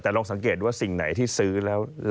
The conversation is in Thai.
แต่ลองสังเกตว่าสิ่งไหนที่ซื้อแล้ว